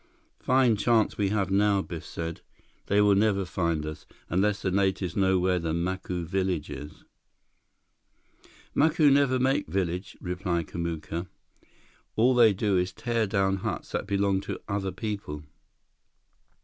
"Fine chance we have now!" Biff said. "They will never find us, unless the natives know where the Macu village is." "Macu never make village," replied Kamuka. "All they do is tear down huts that belong to other people."